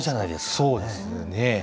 そうですね。